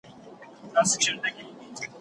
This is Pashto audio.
خلګ به په سباني سياست کي لا زيات اغېز ولري.